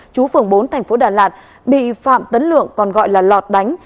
chú phường bốn tp đà lạt bị phạm tấn lượng còn gọi là lọt đánh